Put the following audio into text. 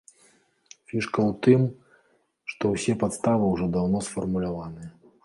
Фішка ў тым, што ўсе падставы ўжо даўно сфармуляваныя.